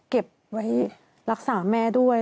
เก็บไว้รักษาแม่ด้วย